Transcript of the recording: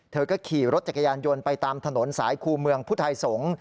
เธอก็ขี่รถจักรยานยนต์ไปตามถนนสายครูเมืองพุทธไทยสงศ์